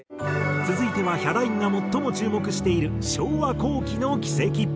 続いてはヒャダインが最も注目している昭和後期の軌跡。